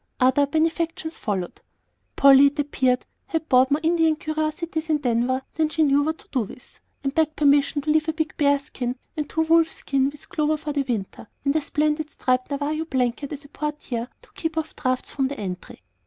Other benefactions followed. Polly, it appeared, had bought more Indian curiosities in Denver than she knew what to do with, and begged permission to leave a big bear skin and two wolf skins with Clover for the winter, and a splendid striped Navajo blanket as a portière to keep off draughts from the entry.